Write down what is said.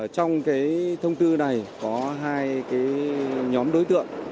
trong thông tư này có hai nhóm đối tượng